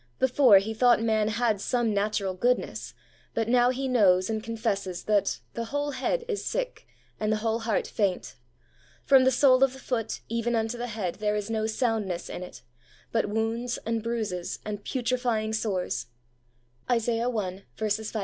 Before, he thought man had some natural goodness, but now he knows and confesses that ' the whole head is sick, and the whole heart faint. From the sole HOLINESS AND HUMILITY 53 of the foot even unto the head there is no soundness in it ; but wounds, and bruises, and putrifying" sores' (Isaiah i.